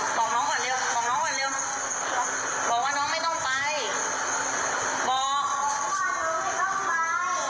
บอกน้องก่อนเร็วบอกน้องก่อนเร็วบอกว่าน้องไม่ต้องไปบอกไม่ต้องเมา